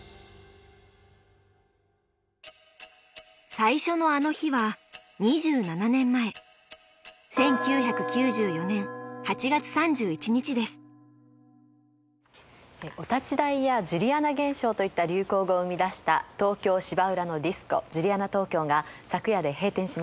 最初の「あの日」は２７年前「お立ち台」や「ジュリアナ現象」といった流行語を生み出した東京・芝浦のディスコジュリアナ東京が昨夜で閉店しました。